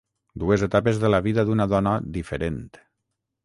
Dues etapes de la vida d’una dona ‘diferent’.